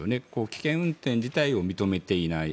危険運転自体を認めていない。